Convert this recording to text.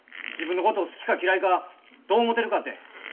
自分のことを好きか嫌いかどう思てるかて。